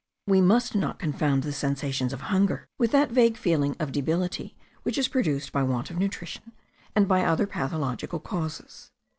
We must not confound the sensations of hunger with that vague feeling of debility which is produced by want of nutrition, and by other pathologic causes.